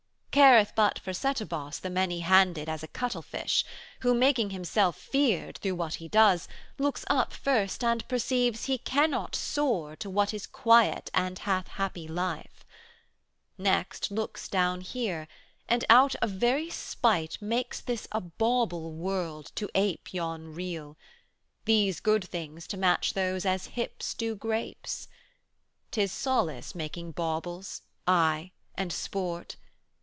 'Careth but for Setebos The many handed as a cuttlefish, Who, making Himself feared through what He does, Looks up, first, and perceives he cannot soar To what is quiet and hath happy life; 145 Next looks down here, and out of very spite Makes this a bauble world to ape yon real, These good things to match those as hips do grapes. 'Tis solace making baubles, aye, and sport.